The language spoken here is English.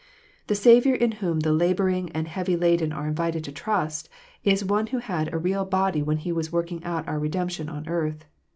The Saviour in whom the labouring and heavy laden are invited to trust, is One who had a real body when He was working out our redemption on earth.